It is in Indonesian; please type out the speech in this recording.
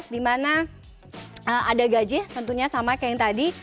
dimana ada gaji tentunya sama kayak yang tadi